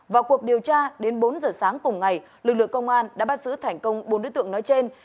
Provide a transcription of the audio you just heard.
vào cuộc điều tra đến bốn giờ sáng cùng ngày lực lượng công an đã bắt giữ thành công bốn đối tượng nói trên